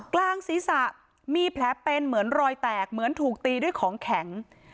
กลางศีรษะมีแผลเป็นเหมือนรอยแตกเหมือนถูกตีด้วยของแข็ง